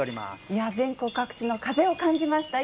いや、全国各地の風を感じました。